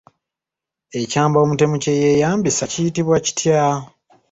Ekyambe omutemu kye yeeyambisa kiyitibwa kitya?